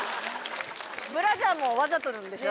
ブラジャーもわざとなんでしょ？